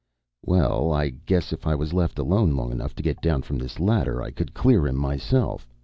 "Well, I guess, if I was left alone long enough to get down from this ladder, I could clear him myself.